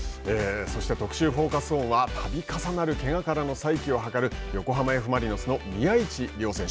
特集Ｆｏｃｕｓｏｎはたび重なるけがからの再起を図る横浜Ｆ・マリノスの宮市亮選手。